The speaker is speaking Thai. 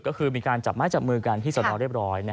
ก็คือมีการจับไม้จับมือกันที่สนเรียบร้อย